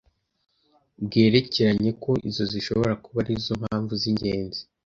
bwerekanye ko izo zishobora kuba ari zo mpamvu z’ingenzi